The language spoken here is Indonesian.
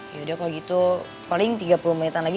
yaudah kalau gitu paling tiga puluh menitan lagi